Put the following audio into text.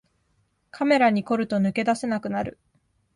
カメラに凝ると抜け出せなくなる